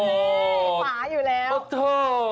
ประโธ่